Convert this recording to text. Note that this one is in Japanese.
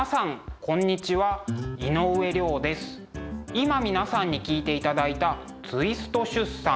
今皆さんに聴いていただいた「ツイスト出産」。